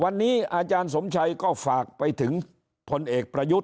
วันนี้อาจารย์สมชัยก็ฝากไปถึงพลเอกประยุทธ์